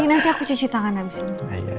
nanti aku cuci tangan habis ini